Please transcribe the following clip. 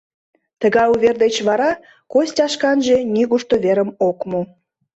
Тыгай увер деч вара Костя шканже нигушто верым ок му.